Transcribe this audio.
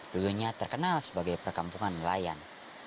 dulunya terkenal sebagai perkampungan nelayan